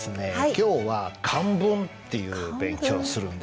今日は「漢文」っていう勉強をするんですけど。